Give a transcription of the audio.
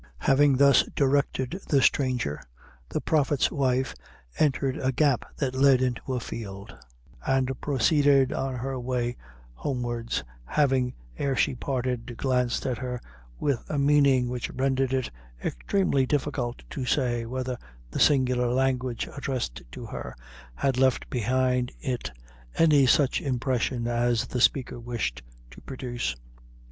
Having thus directed the stranger, the prophet's wife entered a gap that led into a field, and proceeded on her way homewards, having, ere she parted, glanced at her with a meaning which rendered it extremely difficult to say whether the singular language addressed to her had left behind it any such impression as the speaker wished to produce.